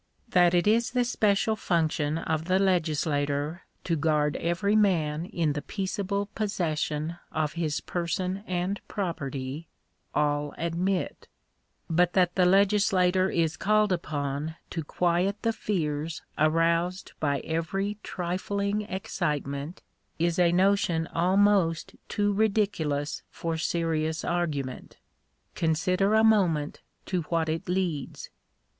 That it is the special function of the legislator to guard every man in the peaceable possession of his person and property, all admit; but that the legislator is called upon to quiet the fears aroused by every trifling excite ment, is a notion almost too ridiculous for serious argument. Consider a moment to what it leads.